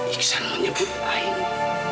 iksan menyebut aini